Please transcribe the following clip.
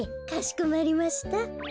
かしこまりました。